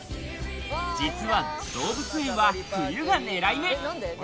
実は、動物園は冬が狙い目。